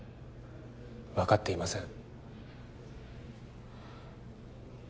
分かっていません